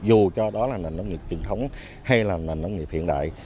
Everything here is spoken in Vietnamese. dù cho đó là nền nông nghiệp truyền thống hay là nền nông nghiệp hiện đại